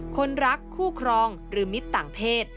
คนรักคู่ครองหรือมิตรต่างเพศ